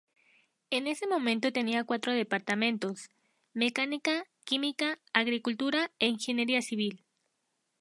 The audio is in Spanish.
En ese momento tenía cuatro departamentos: Mecánica, Química, Agricultura, e Ingeniería Civil.